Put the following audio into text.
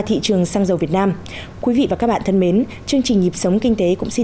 thị trường xăng dầu việt nam quý vị và các bạn thân mến chương trình nhịp sống kinh tế cũng xin